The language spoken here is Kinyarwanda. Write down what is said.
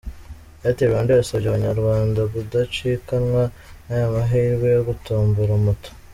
Airtel Rwanda yasabye abanyarwanda gudacikanwa n'aya mahirwe yo gutombora Moto.